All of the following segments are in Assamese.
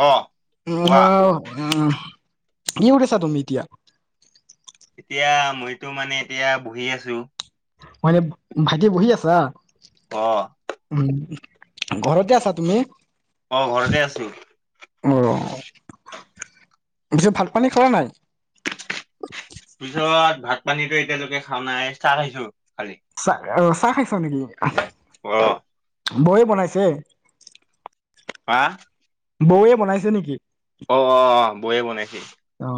অ কোৱা আহ আহ কি কৰি আছা তুমি এতিয়া? এতিয়া মইতো মানে এতিয়া বহি আছো। মই এনে ভাইটি বহি আছা অ উ। ঘৰতে আছা তুমি অ ঘৰতে আছো অ পিছে ভাত পানী খালা নাই? পিছত ভাত পানীতো এতিয়ালৈকে খাও নাই চাৰ আহিছো খালি আহ চাহ খাইছ নেকি? অ বৌয়ে বনাইছে? আহা। বৌয়ে বনাইছে নেকি? অ অ অ বৌয়ে বনাইছিল। অ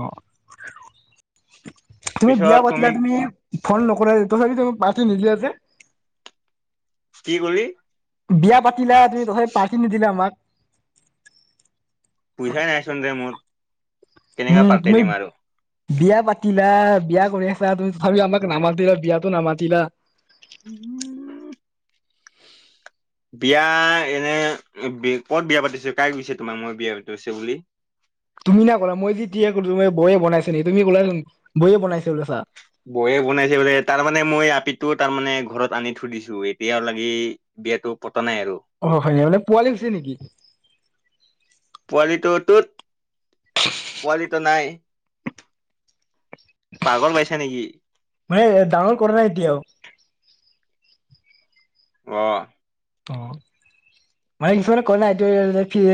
তুমি বিয়া পতিল তুমি ফোন নকৰা ত চি তম পাৰতি নিদে আছে কি কৰি বিয়া পাতিলা তুমি তথাপি পাৰ্তি নিদিলা আমাক পইচাই নাইচোন ৰে মোৰ। কেনেকৈ উম পাতি তুমি দিম আৰু বিয়া পাতিলা বিয়া কৰি আছা তুমি তথাপি আমাক নামাতিলা বিয়াতো নামাতিলা। উম। বিয়া এনে কত বিয়া পাতিছো কাই গৈছে তোমাক মই বিয়া পাতিছে বুলি? তুমি না কলা মই যি কো তু বয়ে বনাইছ নি তুমি কলাচোন বয়ে বাইছে বও য়ে ছা বয়ে বনাইছে বোলে তাৰ মানে মই আপিটো তাৰ মানে ঘৰত আনি থৈ দিছো এতিয়াও লাগি বিয়াটো নাই আৰু অ হয় মানে পোৱালি গুছে নেকি? পোৱালিটোটোত পোৱালিটো নাই। পাগল পাইছা নেকি? মানে ডাঙৰ কৰা নাই এতিয়াও আহ অঁ মানে কিছুমানে কয় নাই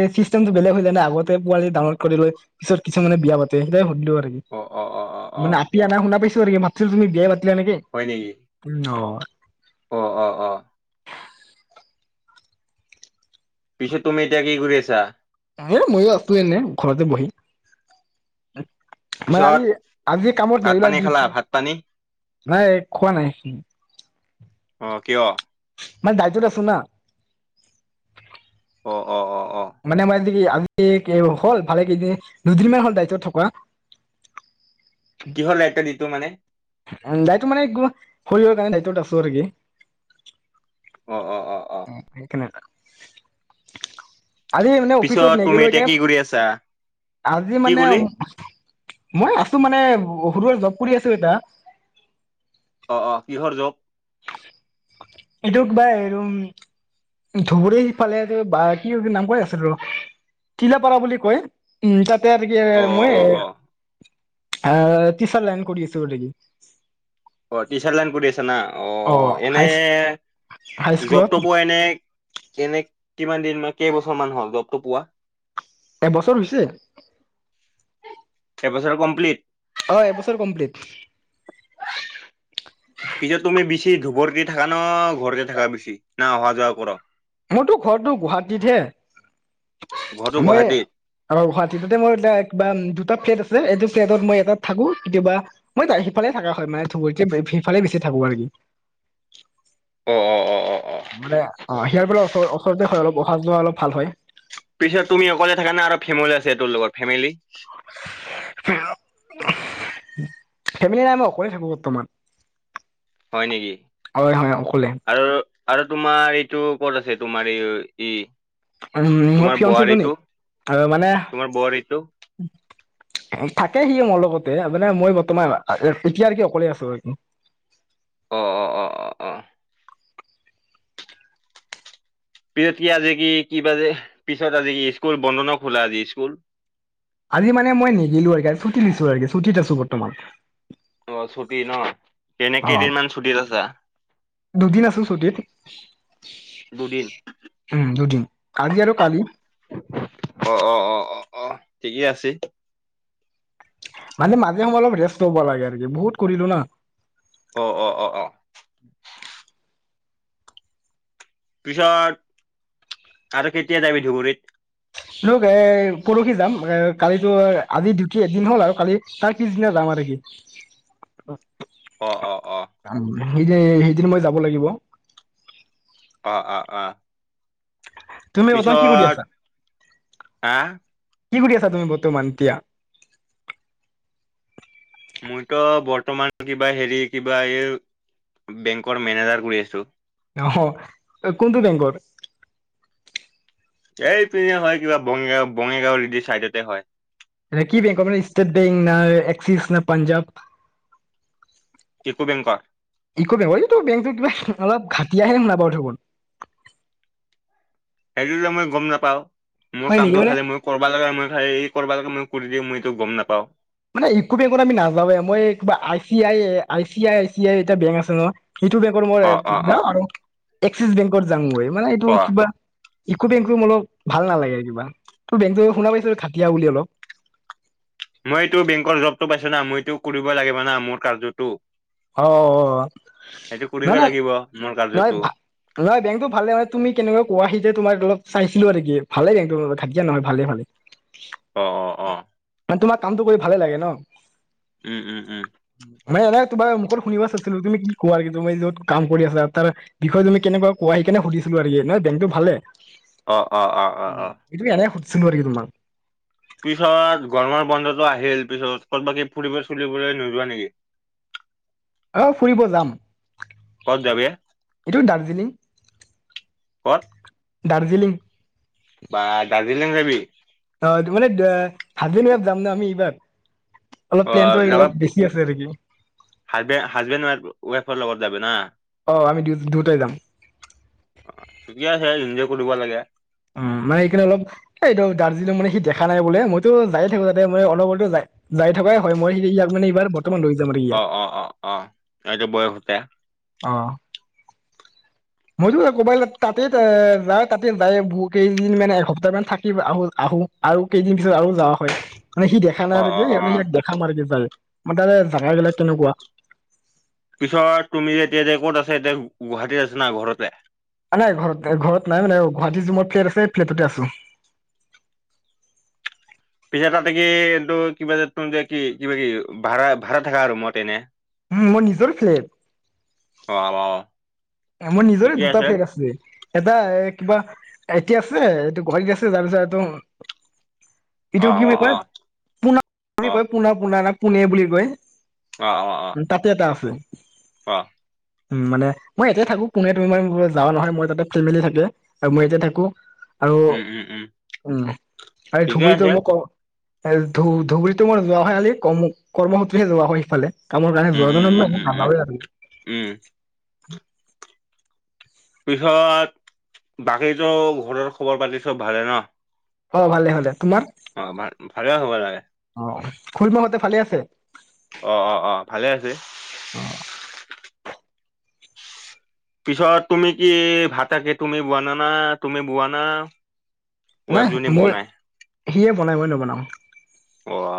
এই চিষ্টেমটো বেলেগ হৈ যায় নে আগতে পোৱালি ডানলড কৰি লৈ পিছত কিছুমান মানে বিয়া পাতে সেই সুধিলো আৰু অ', অ', অ', অ', মানে অ', আপি আনা শুনা পাইছো আৰু মা তুমি বিয়া পা নেকি হয় নেকি? উম অ। অ অ অ পিছে তুমি এতিয়া কি কৰি আছা? মইও আছো এনে ঘৰতে বহি মানে পিছত আজি আজি কামত ভাত পানী ৰেগুলাৰ খালা ডিউটি ভাত পানী? নাই খোৱা নাই। অ', কিয়? মানে দাইটত আছো ন। অ অ অ অ', মানে মই আজি আজি হ'ল ভালে কেইদিন দুদিনমান হ'ল ডাইটত থকা কিহল এটা দিতো মানে দাইতত মানে শৰীৰৰ কাৰণে দাইটত আছো আৰু কি অ অ অ অ', উ সেইকাৰণে আছা। আৰে এনে অফিচ পিছত ত তুমি নগলো এতিয়া যে। কি কৰি আছা? আজি কি মানে ক'লি? মই আছো মানে সৰু সুৰা জপ কৰি আছো এতা। অ অ কিহৰ জব এইটোক ভাইম ধুবুৰীফালে বা কি নাম ক আছে ৰ। টিলাপাৰা বুলি কয় উ তাতে আৰু কি অ', অ', মই অ', অ', আহ তিছাৰ লাইন কৰি আছোঁ অলৰেডী। অটিচাৰ লাইন কৰি আছা। আ না অ এনে হাই হাইস্কুলত জপ তপো এনে এনে কিমান দিন কেইবছৰ মান হ'ল জবটো পোৱা এবছৰ হৈছে। এবছৰ কমপ্লিট। অ এবছৰ কমপ্লিট। পিছত তুমি বেছি ধোবৰক থাকা ন ঘৰতে থাকা বেছি না অহা যোৱা কৰ। মোৰতো ঘৰটো ঘৰতো গুৱাহাটীতহে। মই গুৱাহাটীত আৰু গুৱাহাটী ততে মোৰ এিব দুটা ফ্লেট আছে। এই ফ্লেটত মই এটাত থাকো কেতিয়াবা মই স ইফালে থাকা হয় মানে ধুবুৰী সিফালে বেছি থাকো আৰু। অ অ অ অ অ আম অ সিয়াৰ ফালে ওচ ওচৰতে হয় অলপ অহা যোৱা অলপ ভাল হয়। পিছত তুমি অকলে থাকা নে আৰু ফেমিলি আছে তোৰ লগত ফেমিলি। ফেমিলি নাই মই অকলে থাকো বৰ্তমান। হয় নেকি হয় হয় অকলে। আৰু আৰু তোমাৰ এইটো ক'ত আছে তোমাৰ এই ই উ মোৰ তোমাৰ ফিয়নচীজনী বোৱাৰীটো আৰু মানে তোমাৰ বোৱাৰীটো থাকে সিয়ে মোৰ লগতে মানে মই বৰ্তমান এতিয়া আৰু কি অকলে আছো আৰু। [inaudible] অ অ অ অ অ পিছত কি আজি কি কিবা যে পিছত আজি কি স্কুল বন্ধ নে খোলা আজি স্কুল? আজি মানে মই নিদিলো আও গাইছ ছুটি দিছো আৰু ছুটীত আছো বৰ্তমান। অ ছুটি ন এনে অ, কেইদিনমান ছুটিত আছা দুদিন আছো চুটিত। দুদিন উম দুদিন, আজি আৰু কালি। অ অ অ অ অ ঠিকেই আছে। মানে মাজে সময়ে অলপ ৰেষ্ট ল'ব লাগে আৰু কি বহুত কৰিলো না অ অ অ অ পিছত আৰু কেতিয়া যাবি ধুবুৰীত? ঘৰ এ পৰহি যাম, এ কালিতো আজি ডিউটি এদিন হ'ল আৰু কালি তাৰ পিছদিনা যাম আৰু। [inaudible] অ অ অ সেইদিন সেইদিন মই যাব লাগিব। অ অ অ তুমি ইয়াতে কি কৰি পিছত আছা? আহ কি কৰি আছা তুমি বৰ্তমান এতিয়া? মইতো বৰ্তমান কিবা হেৰি কিবা এই বেংকৰ মেনেজাৰ কৰি আছো। আহ কোনটো বেংকৰ? এইপিনে হয় কিবা বঙাইগাঁও বঙাইগাঁও চাইডতে হয়। এ কি বেংক আপ ষ্টেট বেংক ন, এক্সিছ নে, পাঞ্জাৱ? ইউকো বেংকৰ ইকো বেংক হয় বেংক কিবা অলপ ঘ দি আহিম না বৰ থাকোৰ। সেইটো মই গম নাপাওঁ। মই হয় নেকি কামটো মানে খালি মই কৰবা লাগে মই খাল কৰবা লাগে মই কৰি দি মইতো গম নাপাওঁ। মানে ইউকো বেংকত আমি নাযাওঁৱ মই কিবা I C I I C I I C I এটা বেংক আছে ন সেইটো বেংকৰ মই অ অ অ যাওঁ আৰু এক্সিছ বেংকৰ যাং আৰু মানে এইটো অ কিবা, ইকো বেংকো অলপ ভাল নালাগে কিবা ত বেংক শুনা পাইছ খাটিয়া বুলি অলপ, [unintelligible] মইতো বেংকৰ জবতটো পাইছো না মইতো কৰিব লাগিব না মোৰ কাৰ্য্যটো। অ নাই কৰিবই না লাগিব মোৰ নহয় কাৰ্যটো নহয় বেংকতটো ভালে মানে তুমি কেনেকুৱা কোৱাহি যে তোমাৰ লগত চাইছিলো আৰু কি ভালে ঘাটিয়া নহয় ভালে ভালে অ অ অ মানে তোমাৰ কামটো কৰি ভালে লাগে ন? উম উম উম। মানে এনে তোমাৰ মুখত শুনিব চাইছিলো তুমি কি কোৱা কিন্তু যত কাম কৰি আছা তাৰ বিষয় তুমি কেনেুৱা কোৱা সেইকাৰণে সুধিছিলো। নহয় বেংটো ভালে অ অ অ অ অ এইটো এনে সুধিছো আৰু কি তোমাক পিছত গৰমৰ বন্ধতটো আহিল পিছত ক'ত বাকী ফুৰিব চুলিবলৈ নোযোৱা নেকি? অ ফুৰিব যাম। ক'ত যাবি এইটো দাৰ্জিলিং কত? দাৰ্জিলিং। বা দাৰ্জিলিং যাবি! অ মানে হাজবেণ্ড ৱাইফ যাম ন আমি এইবাৰ। অলপ অ প্লেনটো অলপ লগত বেছি আছে আৰু কি হাজবে হাজবেণ্ড ৱাইফৰ লগত যে না! অ আমি দুয়োটাই যাম। অ ঠিকে আছে ইনজয় কৰিব লাগে। উম মানে সেইকাৰণ অলপ এইটো দাৰ্জিলিঙং মানে সি দেখা নাই বোলে মইতো যায়ে থাকো যাতে ম অলপ হলো যায়। যাই থকাই হয় মই সেই ইয়াক মানে এইবাৰ বৰ্তমান লৈ যাম আৰু অ ইয়াত অ অ অ এইটো বয়সতে। অ মইতো ক কবাই তাতেই যাই তাতে যাই বহু কেইদিন মানে এসপ্তাহ মান থাকি আহো আহো। আৰু কেইদিন পিছত আৰু যাও হয়। মানে সি দেখা নাই অ আৰু অ সেইকাৰণে অ ইক দেখাম আৰু কি যাই মান তাৰে জোগাবিলাক কেনেকুৱা পিছত তুমি এতিয়া ক'ত আছে গুৱাহাটী না ঘৰতে নাই ঘৰত ঘৰত নাই মানে গুৱাহাটী মানে ফ্লেট আছে ফ্লেটতে আছো। [inaudible] পিছে তাতে কি এইটো কিবা যে কি কিবা কি ভাড়া ভাড়া থাকা আৰু ৰোমতে এনে উ মোৰ নিজৰ ফ্লেড। অ অ মোৰ নিজৰে দুটা ফ্লেগ আছে, এটা এ কিবা এতিয়া আছে এইটো গুৱাহাটী আছে তাৰ পিছত এইটো অ এইটো কি অ বুলি অ কয় পোনা অ বুলি কয় পোনা পোনা নাক পোনে বুলি কয়। অ অ অ তাতে এটা আছে। অ উম মানে মই এতিয়া থাকো পোনে তুমি যাও নহয় মই তাতে ফেমেলি থাকে আৰু মই ইয়াতে থাকো। আৰু উম উম উম উম আৰু ঠিকে ধুবুৰীটো আছে মোক ক- এ ধু ধুবুৰীতো মাৰ যোৱা হয় খালি কৰ্ম সূত্ৰে যোৱা হয় সেইফালে। কামৰ কাৰণে উম, উম, উম, যোৱাও উম, উম, নাযাও আৰু। উম, পিছত বাকীটো ঘৰৰ খবৰ পাতি চব ভালে ন। অ ভালে ভালে। তোমাৰ অ ভাল ভালে হ'ব লাগে। খুইমহতে ভালে আছে। অ অ অ ভালে আছে। অ পিছত তুমি কি ভাতাকে তুমি বোৱা নানা তুমি বোৱা না। নাই ৱাইফ জোনে মই বনায়। সিয়ে বনাই মই নবনাও। অহ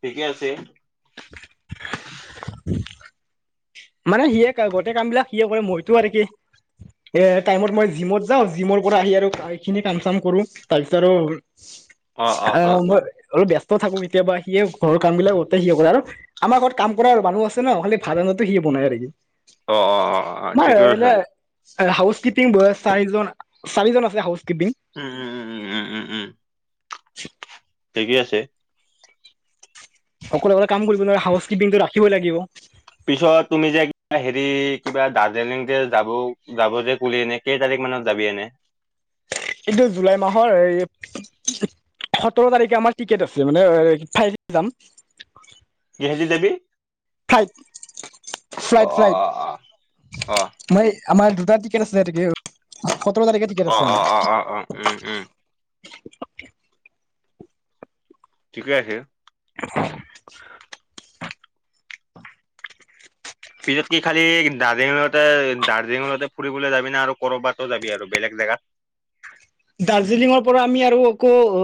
ঠিকে আছে। [unintelligible] মানে সিয়ে গোটেই কাম বিলাক সিয়ে কৰে মইতো আৰু কি? এ টাইমত মই জিমত যাওঁ জিমৰ পৰা আহি আৰু এইখিনি কাম চাম কৰো তাৰ পিছত আৰু। অ মই অলপ ব্যস্ত ত থাকো কেতিয়াবা সিয়ে ঘৰ কাম বিলাক কৰোতে সিয়ে কৰে আৰু আমাৰ ঘৰত কাম কৰা আৰু মানুহ আছে ন খালি ভাত টো সি বনাই ৰেগি অ অ অ অ ঠিকেই কৈছা। হাউচ কিপিং ব চাৰিজন চাৰিজন আছে হাউচ। কিপিং উম উম উম উম উম উম উম ঠিকেই আছে। সকলোতে কাম কৰিব নোৱাৰাৰে হাউচ কিপিংটো ৰাখিবই লাগিব। পিছত তুমি যে হেৰি কিবা দাৰ্জিলিং যে যাব যাব যে কলে এনে কেই তাৰিখ? মানত যাবি এনে, এইটো জুলাই মাহৰ এই সোতৰ তাৰিখে আমাৰ টিকেট আছে মানে ফাইৰিত যাম। কিহে দি যাবি। ফ্লাইট ফ্লাইট অ', অ', ফ্লাইট অ', অ', অ', মই আমাৰ দুটা টিকেট আছে তকে সোতৰ তাৰিখে টিকেট আছে অ', আমাৰ। অ', অ', অ', অ উম, উম। ঠিকে আছে। [unintelligible] পিছত কি খালি দাৰ্জিলিঙতে দাৰ্জিলিঙতে ফুৰিবলৈ যাবি না আৰু কৰবাতো যাবি আৰু বেলেগ জেগা। [inaudible] দাৰ্জিলিঙৰ পৰা আমি আৰু অকৌ অ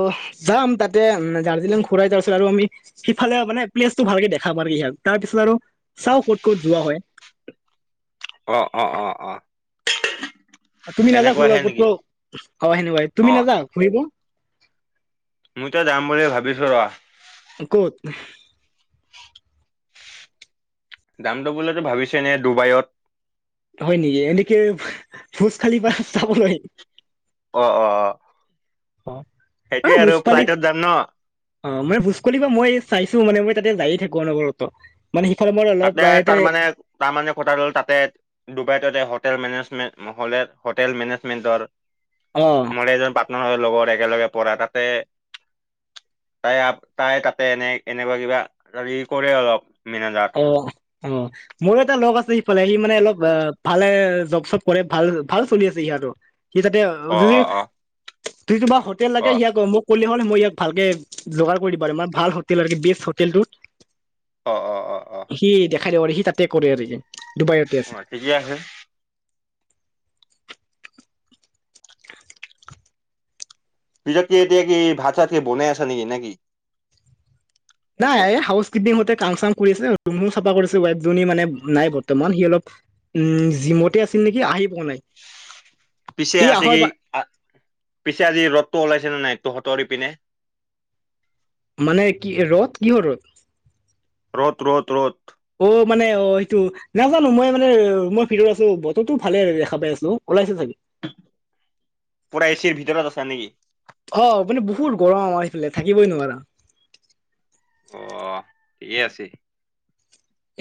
যাম তাতে দাৰ্জিলিং ঘূৰাই তাৰপিছত আৰু আমি সিফালে মানে প্লেচটো ভালকে দেখাম আৰকি ইহাক তাৰ পিছত আৰু চাও ক'ত ক'ত যোৱা হয়! [inaudible] অ' অ' অ' অ'। তুমি নাযা সেনেকুৱা ফুৰবা হে নেকি কতো? [unintelligible] তুমি নাযা ঘুৰিব? মুই ত যাম বুলি ভাবিছো ৰ। কত? যাম ত বুলিতো ভাবিছে এনে ডুবাইত। হয় নেকি এনে কি ভোজ খালিফা চাবলৈ। অ' অ' অ'। অ বুজ পালি। যাম ন অ' মই ভোজকলিফা মই চাইছো মানে মই তাতে যায়ে থাকোঁ আৰু অনবৰত ত। তাতে তাৰ মানে তাৰ মানে কথাটো হ'ল তাতে ডুবাই ততে হোটেল মেনেজ [unintelligible] হলে হোটেল মেনেজমেণ্টৰ অ মই এজন পাৰ্টনাৰৰ লগত একেলগে পঢ়া তাতে তাই আ তাই তাতে এনে - এনেকুৱা কিবা হেৰি কৰে অলপ মেনেজাৰ। অ অ' মোৰো এটা লগ আছে সিফালে সি মানে অলপ ৱা ভালে জব চব কৰে ভাল ভাল চলি আছে সিয়াৰো। সি তাতে অ অ অ [unintelligible] [unintelligible] হোটেল লাগে অ [unintelligible] ক'লে হ'লে মই ইয়াক ভালকে যোগাৰ কৰি দিব আৰু মানে ভাল হোটেল আৰকি বেষ্ট হোটেলটোত। অ' অ' অ'। অ সি দেখাই দিব আৰু সি তাতে কৰে আৰকি। অ' ঠিকে আছে। পিছত কি এতিয়া কি ভাত চাত কি বনাই আছা নেকি নাকি? নাই হাউচ কিপিং হতে কাম চাম কৰি আছে ৰুমো চাফা কৰিছে ৱাইফজনী মানে নাই বৰ্তমান সি অলপ উম জিমতে আছিল নেকি আহি পোৱা নাই। পিছে ই আছে আহৰ কি? বা আ পিছে আজি ৰ'দতটো ওলাইছে নে নাই? তহঁতৰ ইপিনে। মানে কি ৰ'দ কিহৰ ৰ'দ? ৰ'দ ৰ'দ ৰ'দ। অ' মানে অ সেইটো নাজানো মই মানে মই ভিতৰত আছো বতৰটো ভালে আৰু দেখা পাই আছো। ওলাইছে চাগে। পুৰা এ ছিৰ ভিতৰত আছা নেকি? অ মানে বহুত গৰম আমাৰ এইফালে থাকিবই নোৱাৰা। অ' ঠিকে আছে।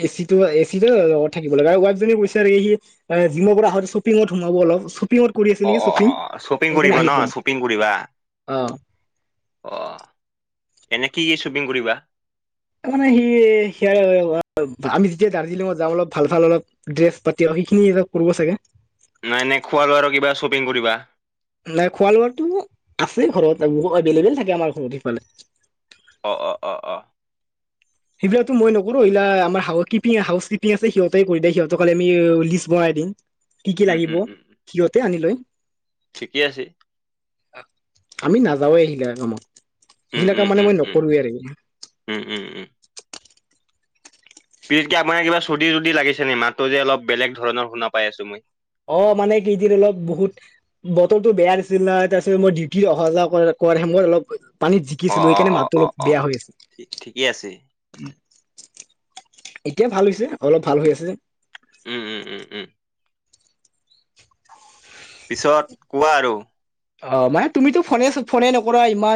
এ চি টো এ চি টো লগত থাকিব লাগে আৰু ৱাইফ জনী কৈছে আৰকি সি আ জিমৰ পৰা আহতে শ্বপিঙত সোমাব অলপ। [unintelligible] [unintelligible] কৰি আছে অ', নেকি অ', শ্বপিং। অ', শ্বপিং এইকাৰণে কৰিবা আহি ন পাৱা নাই। শ্বপিং কৰিবা? অ'। অ' এনে কি কি শ্বপিং কৰিবা? অ মানে সি সিয়া আমি যেতিয়া দাৰ্জিলিঙত যাওঁ অলপ ভাল ভাল অলপ ড্ৰেছ পাতি এইখিনি অলপ কুৰব চাগে। না এনে খোৱা লোৱাৰো কিবা শ্বপিং কৰিবা? নাই খোৱা লোৱাটো আছেই ঘৰত [unintelligible] এভেলেবেল থাকে আমাৰ ঘৰত সিফালে। অ', অ', অ', অ', সিবিলাকটো মই নকৰো ইলা আমাৰ হাউ কিপিং হাউচকিপিং আছে সিহঁতেই কৰি দেই সিহঁতক খালি আমি লিষ্ট বনাই দিং। কি কি উম, উম, লাগিব উম, সিহঁতে আনি লয়। ঠিকে আছে। আমি নাযাওেই সিগিলা কামত। উম, সিলা কাম উম, মানে উম, মই উম, নকৰোৱে আৰকি। উম, উম, উম। [unintelligible] আপোনাৰ কিবা চদ্দী ঠদ্দী লাগিছে নেকি মাতটো যে অলপ বেলেগ ধৰণৰ শুনা পাই আছো মই। অ' মানে একেইদিন অলপ বহুত বতৰতো বেয়া আছিল না তাৰপিছত মই ডিউটিত অহা যোৱা কৰা। কৰ সেময়ত অলপ পানীত জিকিছিলো অ', অ', সেইকাৰণে অ', মাতটো অলপ অ', অ'। বেয়া হৈ আছে। ঠিক ঠিকে আছে। এতিয়া ভাল হৈছে অলপ ভাল হৈ আছে যে। উম- উম -উম - উম। পিছত কোৱা আৰু অহ, মানে তুমিতো ফোনে- ফোনে নকৰা ইমান।